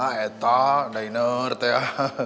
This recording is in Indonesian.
hah etak diner tuh ya